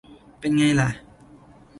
เป็นไงล่ะ